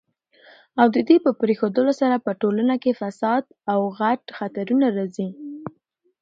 او ددي په پريښودلو سره په ټولنه کي فساد او غټ خطرونه راځي